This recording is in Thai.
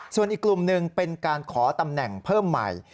ส่วนอีกกลุ่มหนึ่งเป็นการขอตำแหน่งเพิ่มใหม่